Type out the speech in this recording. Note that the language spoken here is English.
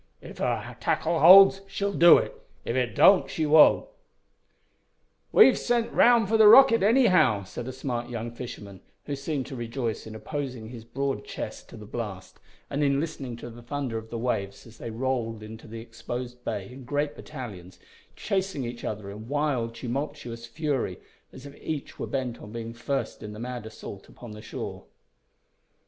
"If her tackle holds she'll do it. If it don't she won't." "We've sent round for the rocket anyhow," said a smart young fisherman, who seemed to rejoice in opposing his broad chest to the blast, and in listening to the thunder of the waves as they rolled into the exposed bay in great battalions, chasing each other in wild tumultuous fury, as if each were bent on being first in the mad assault upon the shore.